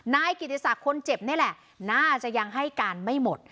นายกิติศักดิ์คนเจ็บนี่แหละน่าจะยังให้การไม่หมด